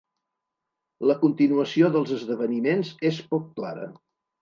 La continuació dels esdeveniments és poc clara.